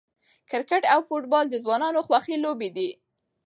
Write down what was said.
کرکټ او فوټبال د ځوانانو خوښې لوبې دي.